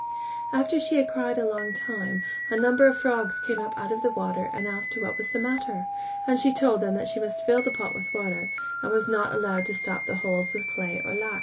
After she had cried a long time, a number of frogs came up out of the water and asked her what was the matter, and she told them that she must fill the pot with water, and was not allowed to stop the holes with clay or lac.